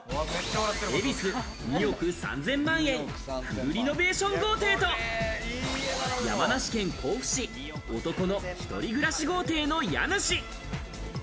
恵比寿２億３０００万円フルリノベーション豪邸と、山梨県甲府市、男の一人暮らし豪邸の家主。